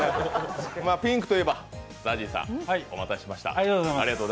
ピンクと言えばＺＡＺＹさん、お待たせしました。